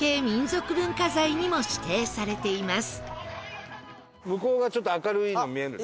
文化財にも指定されています